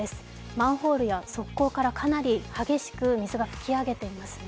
マンホールや側溝からかなり激しく水が噴き上げていますね。